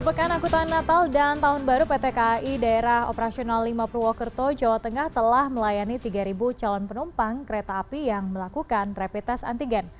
pekan akutan natal dan tahun baru pt kai daerah operasional lima purwokerto jawa tengah telah melayani tiga calon penumpang kereta api yang melakukan rapid test antigen